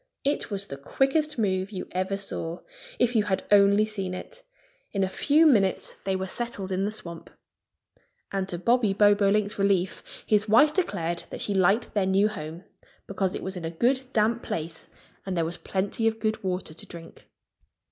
It was the quickest move you ever saw if you had only seen it! In a few minutes they were settled in the swamp. And to Bobby Bobolink's relief his wife declared that she liked their new home, because it was in a good damp place and there was plenty of good water to drink.